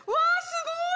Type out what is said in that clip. すごーい